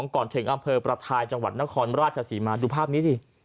ก่อนถึงอำเภอประทายจังหวัดนครราชศรีมาดูภาพนี้ดิ